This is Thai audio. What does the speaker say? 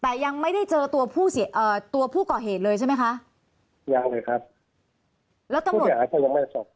แต่ยังไม่ได้เจอตัวผู้ก่อเหตุเลยใช่ไหม